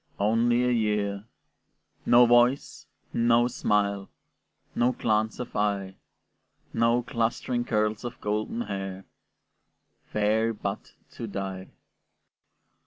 Only a year, no voice, no smile, No glance of eye, No clustering curls of golden hair, Fair but to die!